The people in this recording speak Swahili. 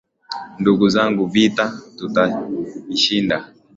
Ndugu zangu vita tutaishinda